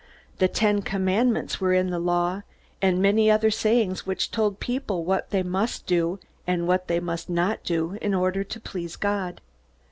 The Ten Commandments were in the Law, and many other sayings which told people what they must do and what they must not do in order to please God.